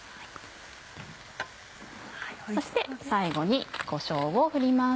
そして最後にこしょうを振ります。